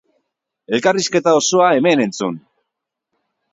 Elkarrizketa osoa hemen entzun!